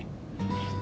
sampai jumpa pak